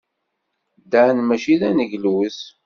Dan maci d aneglus.